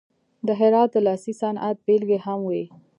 د هرات د لاسي صنعت بیلګې هم وې.